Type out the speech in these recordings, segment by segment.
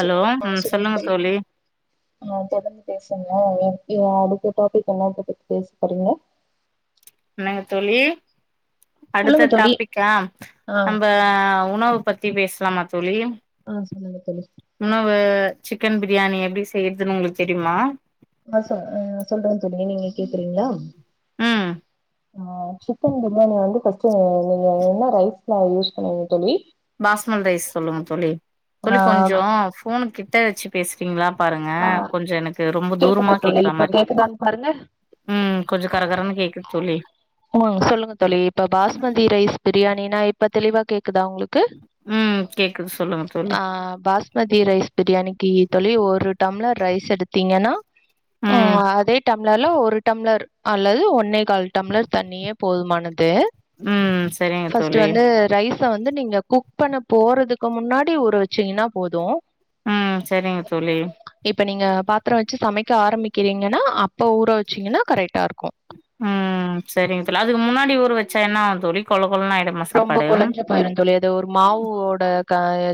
Hello ம் சொல்லுங்க தோழி ஆ தொடர்ந்து பேசுங்க ஓகே அடுத்த டாபிக் என்னா பத்தி பேச போறீங்க என்னங்க தோழி சொல்லுங்க அடுத்த தோழி டாபிக்கா ஆ நம்ப உணவு பத்தி பேஸ்லாமா தோழி? ஆ சொல்லுங்க தோழி உணவு சிக்கன் பிரியாணி எப்டி செய்யறதுன்னு உங்களுக் தெரியுமா? நா சொ சொல்றே தோழி நீங்க கேக்குறீங்களா? ம் ஆ சிக்கன் பிரியாணி வந்து ஃபஸ்ட்டு [unintelligible] என்ன ரைஸ்லா யூஸ் பண்ணுவீங்க தோழி பாஸ்மல் ரைஸ் சொல்லுங்க தோழி ஆ தோழி கொஞ்ச ஃபோனு கிட்ட வச்சு பேஸ்றீங்களா பாருங்க ஆ கொஞ்ச எனக்கு ரொம்ப கேக்குதா தூரமா தோழி கேக்கற இப்ப மாரி கேக்குதான்னு பாருங்க ம் கொஞ்சொ கரகரன் கேக்குது தோழி ம் சொல்லுங்க தோழி இப்ப பாஸ்மதி ரைஸ் பிரியாணினா இப்ப தெளிவா கேக்குதா உங்களுக் க்கு ம் கேக்குது சொல்லுங்க தோழி ஆ பாஸ் மதி ரைஸ் பிரியாணிக்கு தோழி ஒரு டம்ளர் ரைஸ் எடுத் திங்கன்னா ம் அதே டம்ளர்ல ஒரு டம்ளர் அல்லது ஒன்னே கால் டம்ளர் தண்ணியே போதுமானது ம் சரிங்க ஃபஸ்ட் தோழி வந்து ரைஸ் ச வந்து நீங்க குக் பண்ண போறதுக்கு முன்னாடி ஊற வச்சீங்கன்னா போது ம் சரிங்க தோழி இப்ப நீங்க பாத்திரோ வச்சு சமைக்க ஆரம்பிக்கிறீங்கன்னா அப்ப ஊற வச்சீங்கன்னா கரைக்டா இருக்கு ம் சரிங்க தோழி அதுக் முன்னாடி ஊற வச்சா என்ன ஆகு தோழி கொள கொளணு ஆயிடு ரொம்ப கொலழஞ்ஜு போயிரு தோழி அது ஒரு மாவு ஓட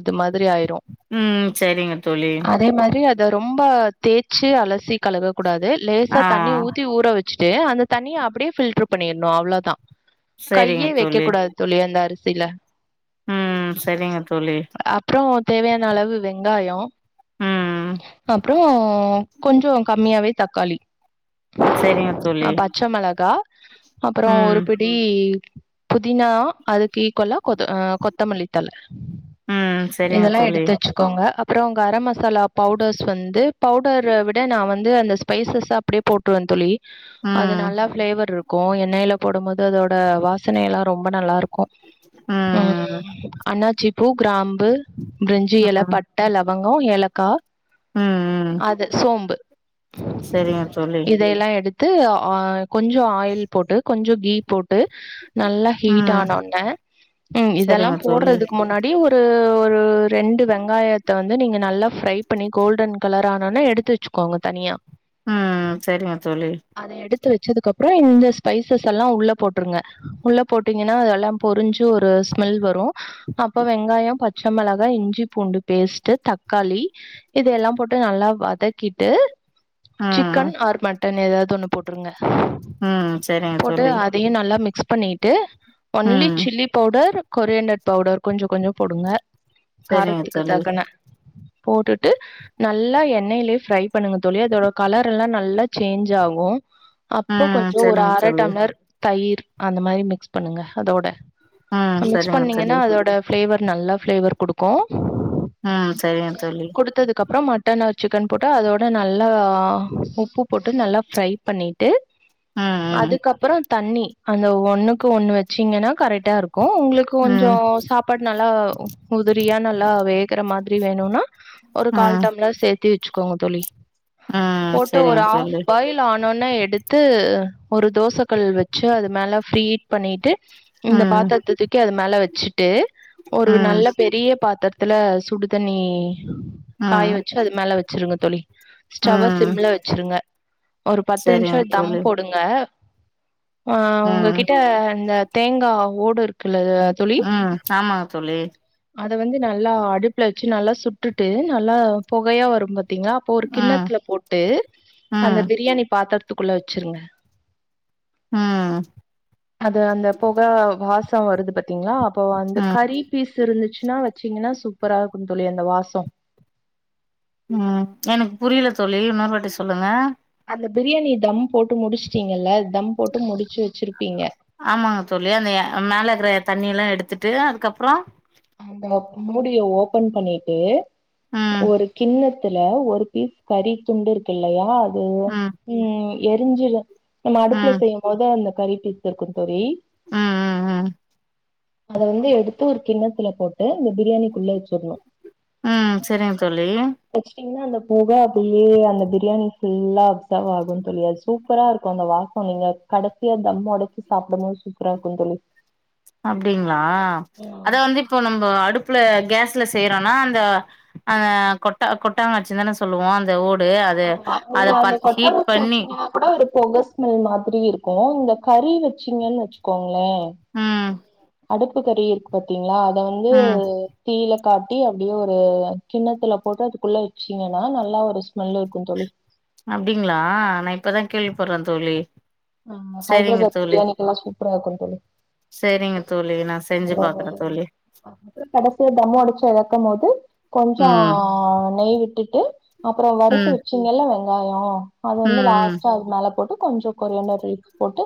இது மாதிரி ஆயிரு ம் சரிங்க தோழி அதே மாரி அத ரொம்ப தேச்சு அலசி கழுகக்கூடாது லேசா ஆ தண்ணி ஊத்தி ஊற வச்சுட்டு அந்த தண்ணிய அப்டியே ஃபில்டர் பண்ணிர்ணு அவ்ளோதா சரிங்க கையே வெக்க தோழி கூடாது தோழி அந்த அரிசில ம் செரிங்க தோழி அப்றோ தேவையான அளவு வெங்காயோ ம் அப்றோ கொஞ்ஜோ கம்மியாவே தக்காளி செரிங்க தோழி ச்ச மெளகா அப்றோ ஒரு ம் பிடி புதினா அதுக்கு ஈக்குவல்லா கொத் அ கொத்தமல்லித்தல ம் சரிங்க இதெல்லா தோழி எடுத்து வேச்சு கோங்க அப்றோ கரம் மசாலா பவுடர்ஸ் வந்து பவுடர விட நா வந்து அந்த ஸ்பைசஸா அப்டியே போட்டுருவ தோழி அது ம் நல்லா ஃபிளேவர் இருக்கு எண்ணெயில போடும்போது அதோட வாசனை எல்லா ரொம்ப நல்லா இருக் ம் அண்ணாச்சி பூ கிராம்பு பிரிஞ்சி ம் எல பட் ம் பட்ட லவங்கோ ஏலக்கா அது சோம்பு செரிங்க தோழி இத எல்லா எடுத்து ஆ கொஞ்சோ ஆயில் போட்டு கொஞ்சௌ கீ போட்டு நல்லா ஹீட் ம் ஆனா ஒன்ன ம் இதெல்லா சரிங்க தோழி போட்றதுக்கு முன்னாடி ஒரு ஒரு ரெண்டு வெங்காயத்த வந்து நீங்க நல்லா ஃப்ரை பண்ணி கோல்டன் கலர் ஆனா ஒன்னே எடுத்து ச்சுகோங்க தனியா ம் சரிங்க தோழி அத எடுத்து வெச்சதுக்கப்றோ இந்த ஸ்பைசஸ் அல்லா உள்ள போட்ருங்க உள்ள போட்டீங்கனா அதெல்லாம் பொருஞ்சு ஒரு ஸ்மெல் வரு அப்போ வெங்காயோ பச்ச மெளகா இஞ்சி பூண்டு பேஸ்ட்டு தக்காளி இதையெல்லாம் போட்டு நல்லா வதக்கிட்டு ம் சிக்கன் ஆர் மட்டன் எதாது ஒன்னு போட்ருங்க ம் சரிங்க போட்டு தோழி அத் தியு நல்லா மிக்ஸ் பண்ணிட்டு ஒன்லி ம் ல்லி பவுடர் கொரியாண்டர் பவுடர் கொஞ்சோ கொஞ்சோ போடுங்க சரிங்க காரத்துக்கு தோழி தகுன போட்டுட்டு நல்லா எண்ணெயிலே ஃப்ரை பண்ணுங்க தோழி அதோட கலர் எல்லா நல்லா சேன்ஜ் ஆகு அப்ப ம் கொஞ்சோ ஒரு சரிங்க அர தோழி டம்ளர் தயிர் அந்த மாரி மிக்ஸ் பண்ணுங்க அதோட ம் அ மிக்ஸ் சரிங்க தோழி பண்ணீங்கனா அதோட ஃபிளேவர் நல்லா ஃபிளேவர் குடுக்கு ம் சரிங்க தோழி குடுத்ததுக்கு அப்றோ ம மட்டன் ஆர் சிக்கன் போட்டா அதோட நல்லா உப்பு போட்டு நல்லா ஃப்ரை பண்ணிட்டு ம் அதுக்கப்பறோ தண்ணி அந்த ஒண்ணுக்கு ஒண்ணு வெச்சிங்கனா கரெக்டா இருக்கு உங்ளுக் கொஞ்சோ ம் சாப்பாடு நல்லா உதிரியா நல்லா வேகற மாதிரி வேணுனா ஒரு கால் ம் டம்ளார் சேத்தி வெச்சுக்கோங்க தோழி ம் போட்டு ஒரு செரிங்க ஹாஃப் தோழி பாயில் ல் ஆனோனா எடுத்து ஒரு தோச கல் வெச்சு அது மேல ஃப்ரீ ஹீட் பண்ணிட்டு இந்த ம் பாத்தரத்த தூக்கி அது மேல வெச்சுட்டு ஒரு ம் நல்ல பெரிய பாத்தர த்துல சுடு தண்ணி ம் காயவச்சு அது மேல வச்சிருங்க தோழி ஸ்டவ ம் சிம்ல வச்சிருங்க ஒரு பத்து செரிங்க நிம்ஷோ தம் தோழி போட் டுக ஹான் ம் உங்ககிட்ட இந்த தேங்கா ஓடு இருக்குல ம் ஆமாங்க தோழி அத வந்து நல்லா அடுப்புல வச்சு நல்லா சுட்டுட்டு நல்லா போகையா வரு பா த்தீங்களா அப்போ ஒரு ம் கிண்ணத்துல போட்டு ம் அந்த பிரியாணி பாத்திரத்துக்குள்ள வச்சிருங்க ம் அது அந்த போக வாச வருது பாத்தீங்களா அப்போ வந்து ம் கரி திருந்துச்சுன்னா வெச்சீங்கன்னா சூப்பரா இருக்குந் தோழி அந்த வாசோ ம் எனக்கு புரில தோழி இன்னோறு வாட்டி சொல்லுங்க அந்த பிரியாணிய தம் போட்டு முடிச்சுட்டீங்கல்ல தம் போட்டு முடிச்சு வச்சிருப்பீங்க ஆமாங்க தோழி அந்த மேல இருக்கற தண்ணி எல்லா எடுத்துட்டு அதுக்கப்றோ அந்த மூடிய ஓப்பன் பண்ணிட்டு ம் ஒரு கிண்ண த்துல ஒரு பீஸ் கறி துண்டு இருக்கு இல்லையா அது ம் ம் எரிஞ்சிரு நா அடுப்புல ம் செய்யும்போது அந்த கறி பீஸ் இருக்குன் தோழி ம் ம் ம் அத வந்து எடுத்து ஒரு கிண்ணத்துல போட்டு இந்த பிரியாணிக்குள்ள வச்சிரணு ஆ சேரிங்க தோழி வெச்சுட்டீங்கன்னா அந்த பொக அப்டியே அந்த பிரியாணி ஃபுல்லா அப்சர்வ் ஆகுந் தோழி அது சூப் சூப்பரா இருக்கு அந்த வாசோ நீங்க கடைசியா தம் ஒடச்சி சாப்பிடும்போது சூப்பரா இருக்குந் தோழி அப்டிங்களா அத வந்து இப்போ நம்ம அடுப்புல கேஸ்ல செய்யறோம்னா அந்த அஆ கொட்டா கொட்டாங்கச்சி தானே சொல்லுவோ அந்த ஓ ப்டு அத ஆமா அத நீங்க அந்த பாத்து ஹீட் கொட்டங்குச்சி பண்ணி வச்சீங்கன்னா கூட ஒரு புக ஸ்மெல் மாதிரி இருக்கு இந்த கறி வெச்சீங்கன்னு வெச் சுகோங்ளே ம் அடுப்பு கறி இருக்கு பாத்தீங்ளா அத வந்து ம் தீல காட்டி அப்டியே ஒரு கிண்ணத்துல போட்டு அதுக்குள்ள வெச்சீங்கன்னா நல்லா ஒரு ஸ் நல்லா இருக்குன் தோழி அப்டீங்ளா நான் இப்பதான் கேள்விப்படறேன் தோழி ஆ சேரிங்க ஹதராபாத் தோழி பிரியாணிக்கெல்லா சூப்பரா இருக்குந் தோழி சேரிங்க தோழி நான் செஞ்சு பாக்கறேன் தோழி அதுக்கப்றோ கடைசில தம் அடிச்சு எறக்கும்போது கொஞ்சோ ம் நெய் விட்டுட்டு அப்புற வறுத்து ம் வச்சிங்கல்ல வெங்காய அத ம் வந்து லாஸ்ட்டா அது மேல போட்டு கொஞ்ச கொரியாண்டர் லீஃப் போட்டு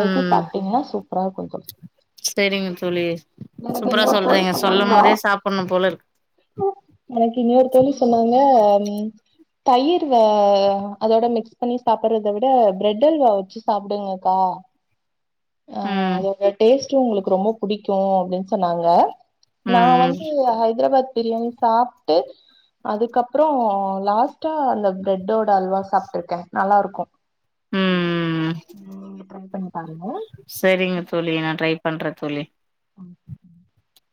ம் சாப்ட்டீங்கன்னா சூப்பரா இருக்கு தோழி சரிங்க தோழி எனக்கு சூப்பரா இன்னொரு தோழி சொல்றீங்க சொல்லும் சொன்னாங்க போதே சாப்படனு போல இருக்கு எனக்கு இன்னொரு தோழி சொன்னாங்க நீ தயிர் வ அதோட மிக்ஸ் பண்ணி சாப்பிடறத விட பிரெட் பிரெட் அல்வா வெச்சு சாப்டுங்கக்கா அ ம் அதோட டேஸ்ட் சூ உங்களுக்கு ரொம்ப புடிக்கு அப்டின்னு சொன்னாங்க நா ம் ம் வந்து ஹைதராபாத் பிரியாணி சா ட்டு அதுக்கப்றோ லாஸ்டா அந்த பிரெட்டோட அல்வா சாப்ட்டுருக்கேன் நல்லா இருக்கு ம் ம் ட்ரை பண்ணி பாருங்க சரிங்க தோழி நா ட்ரை பண்றன் தோழி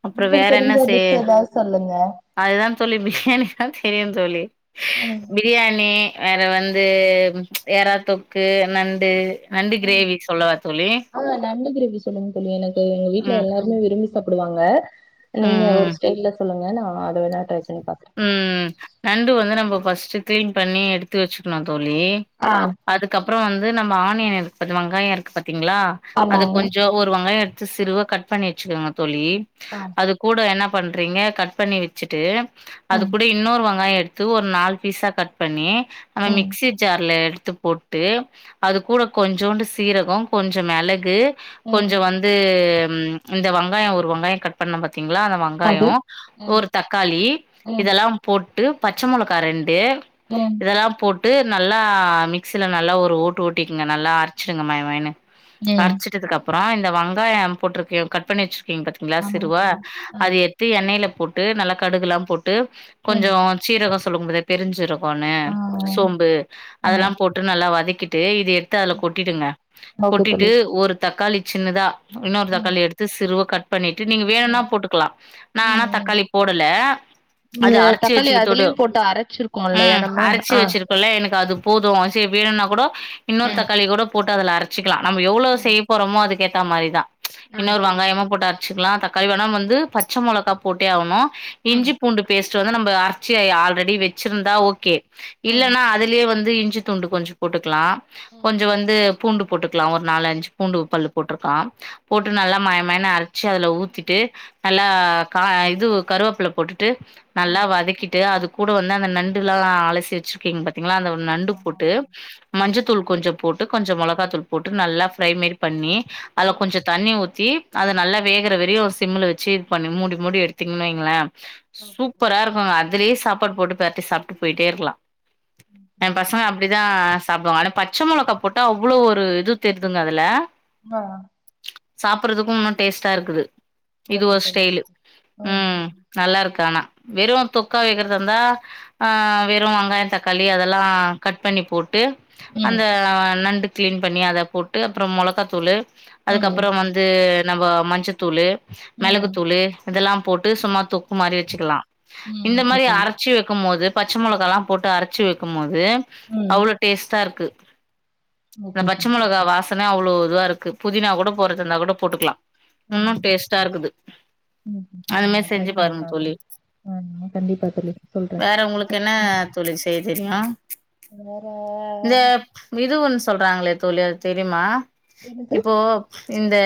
அப்றோ உங்களுக்கு வேற என்ன தெரிஞ்ச செய் டிஷ் எதாவது சொல்லுங்க அதுதா தோழி பிரியாணி தா தெரியு தோழி ம் பிரியாணி வேற வந்து எறாத்தொக்கு நண்டு நண்டு கிரேவிக்கு சொல்லவா தோழி ஆ நண்டு கிரேவி சொல்லுங்க தோழி எனக்கு எங்க வீட்ல ம் எல்லாருமே விரும்பி சாப்டுவாங்க நீங்க ஒரு ம் ம் ஸ்டைல சொல்லுங்க நா அதை வேணா ட்ரை பண்ணி பாக்கறன் ம் நண்டு வந்து நம்ம ஃபஸ்ட்டு கிளீன் பண்ணி எடுத்து வச்சுக்கணு தோழி ஆ அதுக்கப்புற வந்து நம்ம ஆனியன் இருக்கு வெங்காய இருக்கு பாத்தீங்களா அது ஆமாங்க கொஞ்ச ஒரு வெங்காய சிறுவா கட் பண்ணி வெச்சுகங்க தோழி ஆ கூட என்ன பண்றீங்க கட் பண்ணி வெச்சுட்டு அது ம் கூட இன்னொர் வங்காய எடுத்து ஒரு நாலு பீஸா கட் பண்ணி அந்த ம் மிக்சி ஜார்ல எடுத்து போட்டு டு அது கூட கொஞ்ஜோன்டு சீரக கொஞ்ச மெளகு கொஞ்ச ம் வந் து இந்த வங்காய ஒரு வொங்காயோ கட் பண்னோ பாத்தீங்ளா அந்த வங் அது காயோ ம் ஒரு தக்காளி ம் இதலா போட்டு பச்ச மொளகா ரெண்டு ம் இதல்லா போட்டு நல்லா மிக்சில நல்லா ஒரு ஓட்டு ஓட்டிக்குங்க நல்லா அரைச்சிடுங்க மயமயன்னு ம் அரைச்சிட்டதுக்கு அப்பறோ இந்த வங்காயம் போட்ருக்கே கட் பண்ணி வெச்ருக்கீங்க பாத்து க்ளாஸ் ஆமாங்க சிறுவா தோழி ஆ அது எட்த்து எண்ணெயில போட்டு நல்லா கடுகுலாம் போட்டு ம் கொஞ்சோம் சீரகம் சொல்லும்போதே பெருஞ்சீரகன்னு ஆ சோம்பு ஆ அதலாம் போட் நல்லா வதக்கிட்டு இது எடுத்து அதுல கொட்டிடுங்க ஓகே கொட்டிட்டு தோழி ஒரு தக்காளி சின்னதா இன்னொர் ம் தக்காளி எடுத்து சிறுவ கட் பண்ணிட்டு நீங்க வேணுன்னா ம் போட்டுக்கலா நா ம் ஆனா ம் தக்காளி போடல அது நீங்க அரச்சு தக்காளி வச்சுக்கத்தோடு அதுலயு போட்டு அரைச்சிருக்கோல்லையா ம் நம்ம அரச்சு ஆ வச்சிருக் குல்லே எனக்கு அது போது சேர் வேணுனா கூடோ இன்னொரு ம் தக்காளி கூட போட்டு அதுல அரச் சிக்கலா நம்ப எவ்ளோ ம் செய்ய போறோமோ அதுக்கேத்த மாரிதான் ச் ஆ இன்னொரு சரிங்க வங்காயமு தோழி போட்டு அ வச்சுக்லா தக்காளி வேணா வந்து பச்ச மொளகா போட்டே ஆவணு ம் இஞ்சி பூண்டு பேஸ்ட் வந்து நம்ப பூண்டு அரச்சே ஆல்ரெடி வச்சிர்ந்தா ஓகே ம் இல்லனா அதுலயே வந்து இஞ்சி துண்டு கொஞ்சோ போட்டுக்லா ம் கொஞ்சோ ஓகே வந்து தோழி பூண்டு போட்டுக்லா ஒரு நாலு அஞ்சு பூண்டு பல்லு போட்ருக்கா போட்டு ஓகே நல்லா தோழி மயமயன்னு அரைக் ச்சு அதுல ஊத்திட்டு நல்லா ஆ கா இதுவு கருவேப்பில போட்டுட்டு நல்லா ம் வதக்கிட்டு அது கூடவந்து அந்த நண்டுலா அலசி வச் ருக்கீங் பாத்தீங்ளா அந்த நண்டு ஆமாங்க போட்டு தோழி ஆ மஞ்ச தூள் கொஞ்சோ போட்டு கொஞ்ஜோ மொளகாத்தூள் போட்டு நல்லா ஃப்ரை மேரி பண்ணி அதுல ஓகே கொஞ்சோ தோழி தண்ணி ஊத்தி அத நல்லா வேகுற வெரியு சிம்ல வச்சு இது பண்ணி மூடி மூடி எடுத்தீங்ன் வைங்களே ஓகே தோழி சூப்பரா இருக்கும்ங்க அதுலேயே சாப்பாடு போட்டு பெரட்டி சாப்ட்டு போயிட்டேருக்கலா ஏ பசங்க அப்டிதா சாப்டுவாங்க அதுல பச்ச மொளகா போட்டா அவ்ளோ ஒரு இது தெர்துங்க அதுல ஆ சாப்புட்றதுக்கு இன்னு டேஸ்ட்டா இருக்குது இது ஓகே ஒரு தோழி ஸ்டைலு ஓகே ம் நல்லா இருக்கு ஆனா வெறு தொக்கா வெக்றதார்ந்தா ஆ வெறு வங்காயோ தக்காளி அதெல்லா கட் பண்ணி போட் டு ம் அந்த நண்டு கிளீன் பண்ணி அத போட்டு அப்புறம் மொளகாத்தூளு ம் அதுக்கப்பறோ வந்து நம்ப மஞ்சத்தூளு ம் மெளகுத்தூளு இதெல்லா போட்டு சும்மா தொக்கு மாரி வெச்சுக்கலா ம் இந்த ஓகே மாரி தோழி அரச் சு வக்கும் போது பச்ச மொளகாலா போட்டு அரச்சு வெ கும் மோது ம் அவ்ளோ டேஸ்டாருக்கு இந்த ஓகே பச்ச தோழி மொளகா ஓகே வா சன அவ்ளோ இதுவாருக்கு புதினா கூட போட்றதாருந்தா கூட போட்டுக்கலா உன்னு ஆ டேஸ்ட்டாருக்குது ம் அது நா மாரி ட்ரை செஞ்சு பண்ணி பாருங்க பாக்குறே தோழி ஆ கண்டிப்பா தோழி சொல்றே வேற உங்களுக்கென்னா தொழி செய்ய தெரியு வேற விது ஒன் சொல்றாங்களே தோழி அது தெரிம்மா என்னது இப்போ இந்த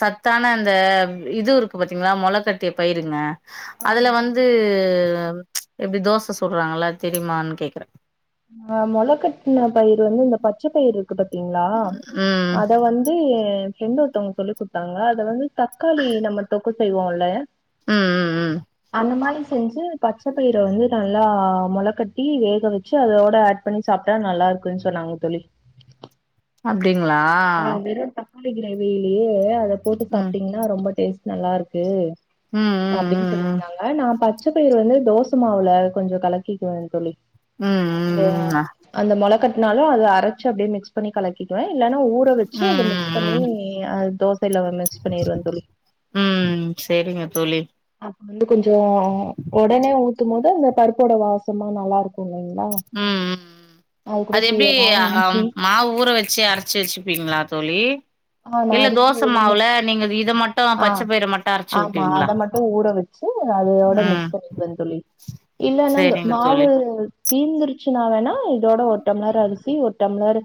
சத்தான அந்த இதுருக்கு பாத்தீங்களா மொள கட்டிய பயிருங்க அதுல வந்து ச் எப்டி தோச சுட்றாங்களா தெரிமான் கேக்குறே ஆ மொளக்கட்டுன பயிர் வந்து இந்த பச்ச பயிர் இருக்கு பாத்தீங்களா ம் அத வந் து எ ஃப்ரெண்ட்டு ஒருத்தவங்க சொல்லி கொடுத்தாங்க அதுல வந்து தக்காளி நம்ம தொக்கு செய்வோல்ல ம் ம் ம் இது மாரி செஞ்சு பச்ச பயிர வந்து நல்லா மொளகட்டி வேக வச் சு அதோட ஆட் பண்ணி சாப்ட்டா நல்லா இருக்குன் சொன்னாங்க தொழி அப்டிங்களா ஆ வெறும் தக்காளி கிரேவிலயே அத போட்டு ம் சாப்ட்டீங்கன்னா ரொம்ப டேஸ்ட் நல்லா இருக்கு ம் ம் ம் அப்டின்னு ம் சொல்லிருந்தாங்க நான் பச்சை பயிர் வந்து தோசை மாவுல கொஞ்சம் கலக்கிக்குவே தோழி ம் ஆ அந்த மொளை கட்டினாலும் அத அரைச்சு அப்டியே மிக்ஸ் பண்ணி கலக்கிடுவேன் இல்லன்னா உப்பு ஊற வச்சு அதை மிக்ஸ் பண்ணி ம் ம் தோசைல மிக்ஸ் பண்ணிடுவே தோழி ம் செரிங்க தோழி அப்ப வந்து கொஞ்சம் உடனே ஊத்தும் போது அந்த பருப்போட வாசமா நல்லா இருக்கும் இல்லைங்க ம் ம் அது எப்டி சீரகோ அங் இஞ்சி மாவு ஊரை வச்சு அரைச்சு வச்சுப்பீங்களா தோழி ஆ நா இல்ல அரிசி தோசை உளுந்து மாவுல நீங்க இத மட்டும் ஆ பச்சைப்பயிரை மட்டும் அரைச்சு ஊத்துவீங்களா வந்து அதோட ம் மிக்ஸ் பண்ணிருனு தோழி இல்லனா செரிங்க மாவு தோழி தீந்துருச்சுனா வேணா இதோட ஒரு டம்ளர் அரிசி ஒரு டம்ளர்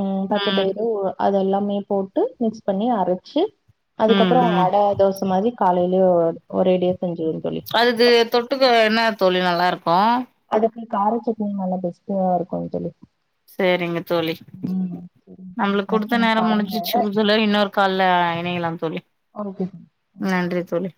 ம் பச்சைப்பயிறு அதேல்லாமே போட்டு மிக்ஸ் பண்ணி அரைச்சு ம் அதுக்கப்புறம் ம் ஆட தோசை மாரி காலையிலயே ஒரேடியா செஞ்சுருனு தோழி அதுக்கு தொட்டுக்க என்ன தோழி நல்லாருக்கும் அதுக்கு கார சட்னி நல்லா பெஸ்ட்டா இருக்கும்னு தோழி செரிங்க தோழி ம் செரிங்க தோழி நம்மளுக்கு ட்ரை குடுத்த பண்ணி நேரம் பாருங்க முடிஞ்சுச்சு புதுல இன்னொரு கால்ல இணைக்கலாம்னு தோழி [unintelligible] நன்றி தோழி